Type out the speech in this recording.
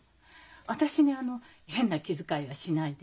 私にあの変な気遣いはしないでね。